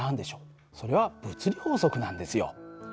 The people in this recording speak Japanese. それは物理法則なんですよ。